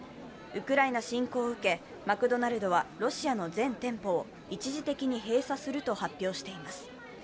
ウクライナ侵攻を受けマクドナルドはロシアの全店舗を一時的に閉鎖すると発表しています。